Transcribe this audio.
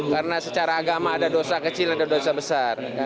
karena secara agama ada dosa kecil dan ada dosa besar